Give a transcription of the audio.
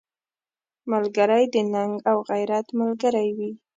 ملګری د ننګ او غیرت ملګری وي